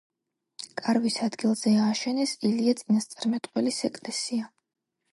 კარვის ადგილზე ააშენეს ელია წინასწარმეტყველის ეკლესია.